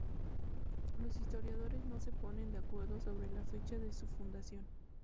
Los historiadores no se ponen de acuerdo sobre la fecha de su fundación.